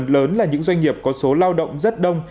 lớn là những doanh nghiệp có số lao động rất đông